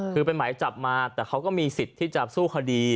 คือเป็นหมายจับมาแต่เขาก็มีสิทธิ์ที่จะสู้คดี